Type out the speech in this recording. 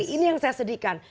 ini yang saya sedihkan